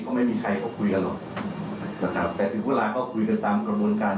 ก็ไม่มีใครก็คุยกันหรอกนะครับแต่ถึงเวลาก็คุยกันตามกระบวนการ